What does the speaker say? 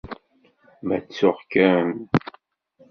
Ma ttuɣ-kem?